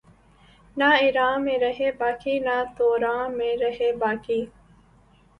نہ ایراں میں رہے باقی نہ توراں میں رہے باقی